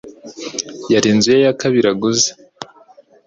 Yari inzu ye ya kabiri aguze